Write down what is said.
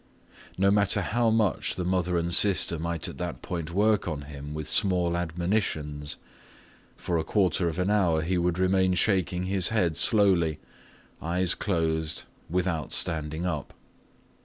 No matter how much the mother and sister might at that point work on him with small admonitions, for a quarter of an hour he would remain shaking his head slowly, his eyes closed, without standing up.